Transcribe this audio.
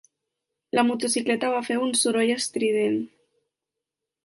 La motocicleta va fer un soroll estrident.